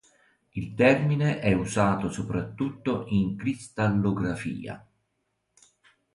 Il termine è usato soprattutto in cristallografia.